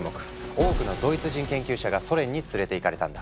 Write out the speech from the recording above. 多くのドイツ人研究者がソ連に連れていかれたんだ。